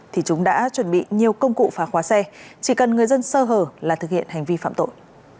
thì chúng đã chuẩn bị nhiều công cụ phá khóa xe chỉ cần người dân sơ hở là thực hiện hành vi phạm tội